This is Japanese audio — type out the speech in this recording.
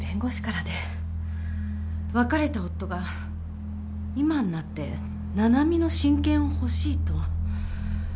別れた夫が今になって七海の親権を欲しいと。